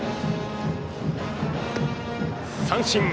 三振。